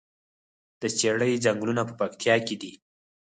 د څیړۍ ځنګلونه په پکتیا کې دي؟